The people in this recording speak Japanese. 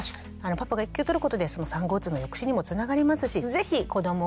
パパが育休を取ることで産後うつの抑止にもつながりますし是非子どもをね